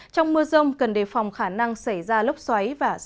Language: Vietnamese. trong mưa rông cần đề phòng khả năng xảy ra